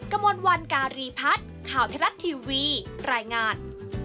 กระมวลวันการีพัฒน์ข่าวไทยรัฐทีวีรายงาน